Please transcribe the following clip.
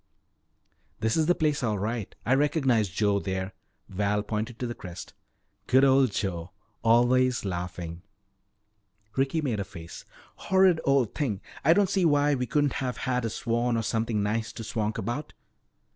"This is the place all right I recognize Joe there." Val pointed to the crest. "Good old Joe, always laughing." Ricky made a face. "Horrid old thing. I don't see why we couldn't have had a swan or something nice to swank about."